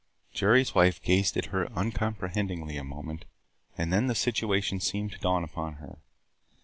Jerry's wife gazed at her uncomprehendingly a moment and then the situation seemed to dawn upon her.